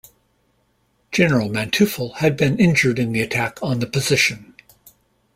General Manteuffel had been injured in the attack on the position.